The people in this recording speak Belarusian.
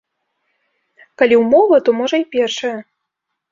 Калі ўмова, то можа й першая.